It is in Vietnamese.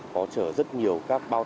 có trở rất nhiều các thùng hàng